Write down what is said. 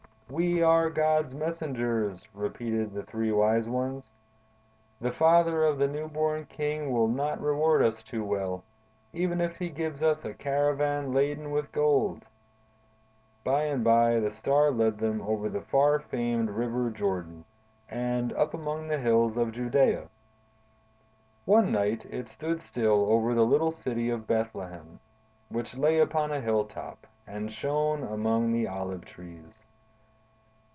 "'We are God's messengers!' repeated the three wise ones. 'The father of the new born king will not reward us too well, even if he gives us a caravan laden with gold.' "By and by, the Star led them over the far famed River Jordan, and up among the hills of Judea. One night it stood still over the little city of Bethlehem, which lay upon a hill top, and shone among the olive trees.